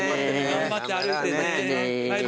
頑張って歩いてね。